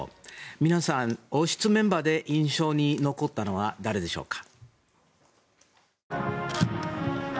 皆さん、王室メンバーで印象に残った方は誰でしょうか。